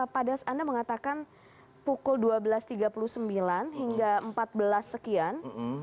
pak das anda mengatakan pukul dua belas tiga puluh sembilan hingga empat belas sekian